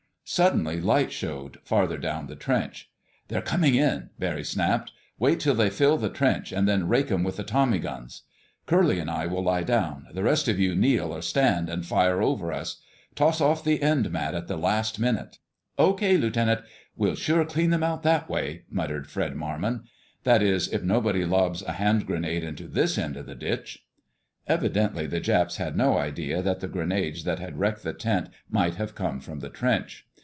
Suddenly light showed, farther down the trench. "They're coming in!" Barry snapped. "Wait till they fill the trench, and then rake 'em with the tommy guns. Curly and I will lie down; the rest of you kneel or stand and fire over us. Toss off the end mat at the last minute." "Okay, Lieutenant—we'll sure clean them out that way!" muttered Fred Marmon. "That is, if nobody lobs a hand grenade into this end of the ditch!" Evidently the Japs had no idea that the grenades that had wrecked the tent might have come from the trench.